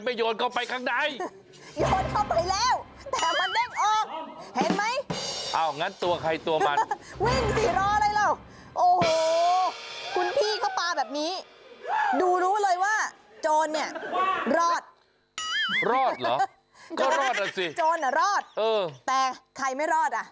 ก็รอดแหละสิโจรเหรอรอดแต่ใครไม่รอดอ่ะ